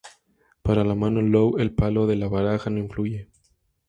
Para la mano "Low", el palo de la baraja no influye.